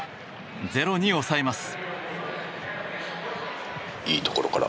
ゼロに抑えます。